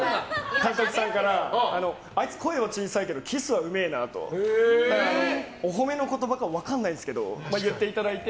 監督さんからあいつ、声は小さいけどキスはうめえなとお褒めの言葉か分からないんですけど言っていただいて。